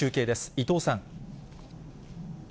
伊藤さん。